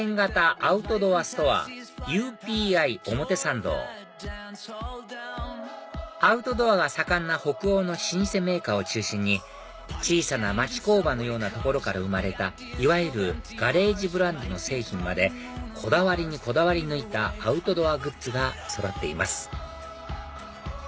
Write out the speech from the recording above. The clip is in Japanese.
アウトドアストアＵＰＩ表参道アウトドアが盛んな北欧の老舗メーカーを中心に小さな町工場のようなところから生まれたいわゆるガレージブランドの製品までこだわりにこだわり抜いたアウトドアグッズがそろっています